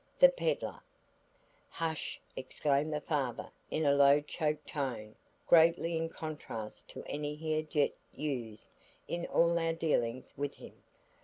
The pedlar " "Hush," exclaimed the father in a low choked tone greatly in contrast to any he had yet used in all our dealings with him.